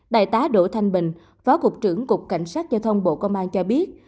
đại tá đỗ thanh bình phó cục trưởng cục cảnh sát giao thông bộ công an cho biết